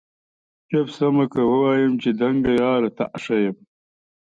چپ سمه که ووایم چي دنګه یاره تا ښایم؟